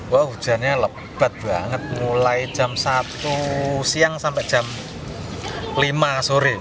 wah hujannya lebat banget mulai jam satu siang sampai jam lima sore